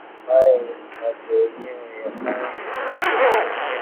Hatimaye macho yenyewe yakawa mekundu